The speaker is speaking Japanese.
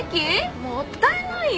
もったいないよ！